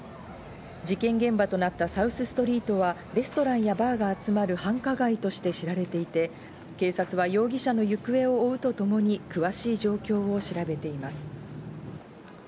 事件現場となったサウスストリートはレストランやバーが集まる繁華街として知られていて、警察は容疑者の行方を追うとともに、詳しい状況を調べています。